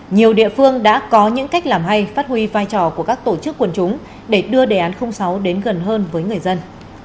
nhiều địa phương đã có những cách làm hay phát huy vai trò của các tổ chức quần chúng để đưa đề án sáu đến gần hơn với người dân